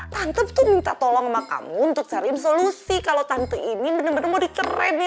tante tuh minta tolong sama kamu untuk cariin solusi kalau tante ini bener bener mau diceret nih